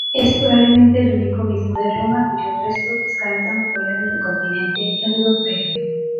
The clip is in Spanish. Es probablemente el único obispo de Roma cuyos restos descansan fuera del continente europeo.